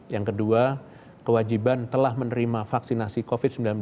yang kedua kewajiban telah menerima vaksinasi covid sembilan belas